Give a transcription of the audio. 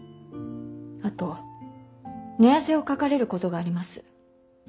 あと寝汗をかかれることがあります。